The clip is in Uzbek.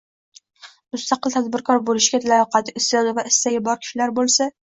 mustaqil tadbirkor bo‘lishga layoqati, iste’dodi va istagi bor kishilar bo‘lsa